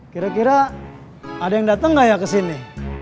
kira kira ada yang dateng gak ya kesini